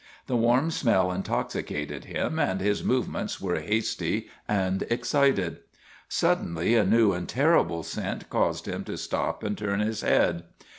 The warm smell in toxicated him, and his movements were hasty and excited. Suddenly a new and terrible scent caused him to ISHMAEL 117 stop and turn his head.